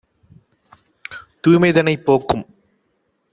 தூய்மைதனைப் போக்கும்!